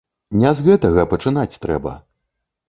Не з гэтага пачынаць трэба!